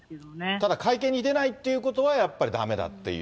ただ会見に出ないっていうことはやっぱり、だめだっていう。